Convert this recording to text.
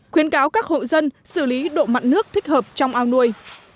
khuyến cáo các hộ dân xử lý độ mặn nước thích hợp trong ao nuôi